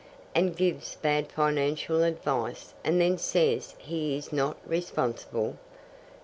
And gives bad financial advice, and then says he is not responsible.